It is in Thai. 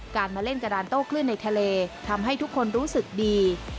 มาเล่นกระดานโต้คลื่นในทะเลทำให้ทุกคนรู้สึกดี